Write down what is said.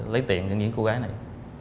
lấy tiền cho những cô gái này